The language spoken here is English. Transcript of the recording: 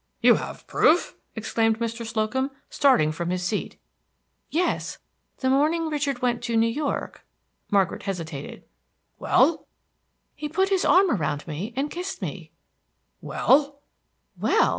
"You have proof!" exclaimed Mr. Slocum, starting from his seat. "Yes. The morning Richard went to New York" Margaret hesitated. "Well!" "He put his arm around me and kissed me." "Well!" "Well?"